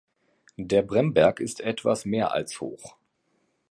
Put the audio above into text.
Der Bremberg ist etwas mehr als hoch.